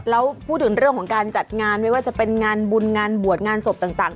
แล้วพูดถึงเรื่องของการจัดงานไม่ว่าจะเป็นงานบุญงานบวชงานศพต่าง